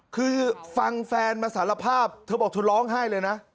คือฟังแฟนมาสารภาพเธอบอกเธอร้องไห้เลยนะ